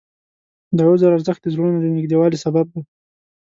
د عذر ارزښت د زړونو د نږدېوالي سبب دی.